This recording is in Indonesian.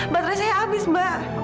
baterai saya habis mbak